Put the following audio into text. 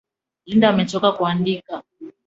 Linda amechoka kuandika.